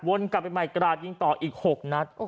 กลับไปใหม่กราดยิงต่ออีก๖นัด